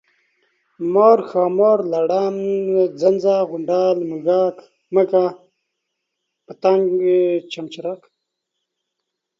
مار، ښامار ، لړم، زمزه، غونډل، منږک ، مږه، پتنګ ، چمچرک،